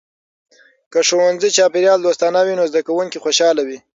که د ښوونځي چاپیریال دوستانه وي، نو زده کونکي خوشحاله وي.